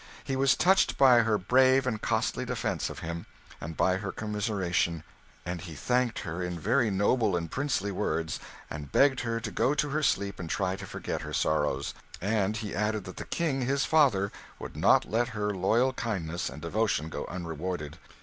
He was touched by her brave and costly defence of him, and by her commiseration; and he thanked her in very noble and princely words, and begged her to go to her sleep and try to forget her sorrows. And he added that the King his father would not let her loyal kindness and devotion go unrewarded.